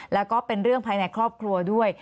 แล้วก็เป็นเรื่องภายในครอบครัวด้วย